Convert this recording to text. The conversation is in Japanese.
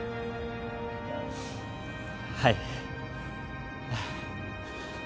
はい。